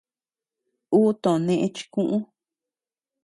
Uu too nëe chikuʼu.